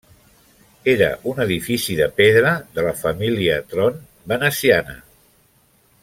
Era un edifici de pedra de la família Tron veneciana.